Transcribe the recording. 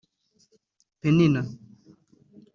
‘Penina’